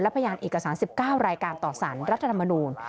พยานเอกสาร๑๙รายการต่อสารรัฐธรรมนูล